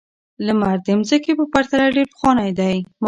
لمر د ځمکې په پرتله ډېر پخوانی دی.